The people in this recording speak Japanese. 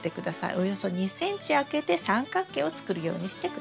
およそ２ｃｍ空けて三角形を作るようにして下さい。